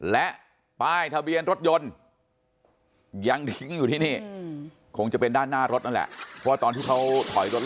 และป้ายทะเบียนรถยนต์ยังทิ้งอยู่ที่นี่คงจะเป็นด้านหน้ารถนั่นแหละเพราะว่าตอนที่เขาถอยรถ